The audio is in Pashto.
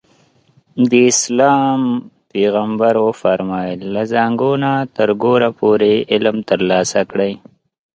د اسلام پیغمبر وفرمایل له زانګو نه تر ګوره پورې علم ترلاسه کړئ.